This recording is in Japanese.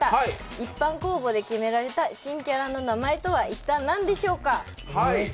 一般公募で決められた新キャラの名前とは一体、何でしょうか。